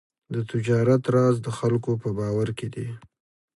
د تجارت راز د خلکو په باور کې دی.